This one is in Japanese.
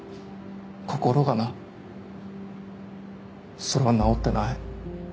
心がなそれは治ってない